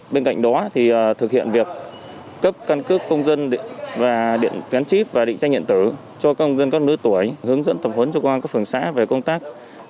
bên cạnh đó thì thực hiện việc cấp căn cứ công dân và điện tiến chip và định tranh nhận tử cho công dân các nữ tuổi hướng dẫn tập huấn cho công an các phường xã về công tác